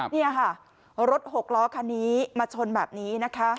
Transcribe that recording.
นี่ค่ะรถหกล้อคันนี้มาชนแบบนี้นะคะ